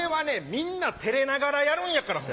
みんな照れながらやるんやから。